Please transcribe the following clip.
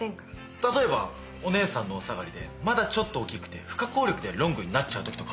例えばお姉さんのお下がりでまだちょっと大きくて不可抗力でロングになっちゃう時とか。